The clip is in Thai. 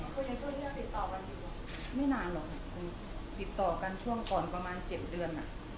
คุณยังช่วยเลือกติดต่อกันอยู่ไม่นานหรอกคุณติดต่อกันช่วงก่อนประมาณเจ็ดเดือนอ่ะ